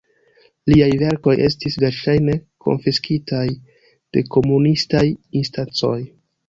Liaj verkoj estis verŝajne konfiskitaj de komunistaj instancoj.